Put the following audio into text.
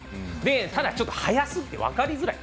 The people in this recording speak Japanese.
ただ、ちょっと速すぎて分かりづらい。